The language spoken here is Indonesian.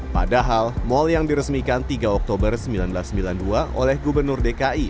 padahal mal yang diresmikan tiga oktober seribu sembilan ratus sembilan puluh dua oleh gubernur dki